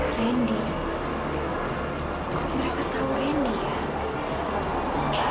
randy kok mereka tahu randy ya